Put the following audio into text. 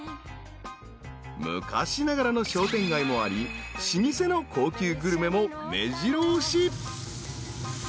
［昔ながらの商店街もあり老舗の高級グルメもめじろ押し］